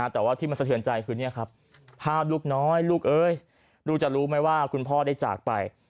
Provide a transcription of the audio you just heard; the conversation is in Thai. แต่ว่าที่มันสะเทือนใจคือภาพลูกน้อยลูกจะรู้ไหมว่าคุณพ่อได้จากไป